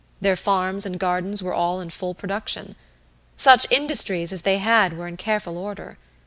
Their farms and gardens were all in full production. Such industries as they had were in careful order.